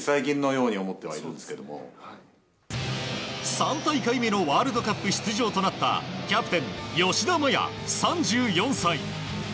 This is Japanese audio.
３大会目のワールドカップ出場となったキャプテン、吉田麻也、３４歳。